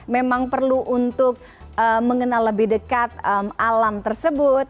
memang perlu untuk mengenal lebih dekat alam tersebut